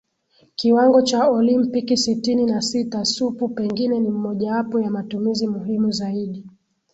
kiwango cha Olimpiki Sitini na sita Supu pengine ni mmojawapo ya matumizi muhimu zaidi